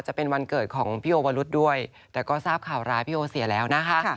จะเป็นวันเกิดของพี่โอวรุษด้วยแต่ก็ทราบข่าวร้ายพี่โอเสียแล้วนะคะ